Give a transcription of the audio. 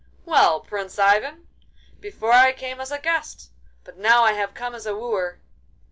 'Well, Prince Ivan! Before I came as a guest, but now I have come as a wooer!